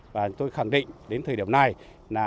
và tôi khẳng định đến thời điểm này là